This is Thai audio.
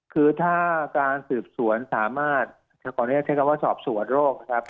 คือถ้าการสืบสวนสามารถใช้คำว่าสอบสวนโรค